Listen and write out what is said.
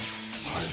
はい。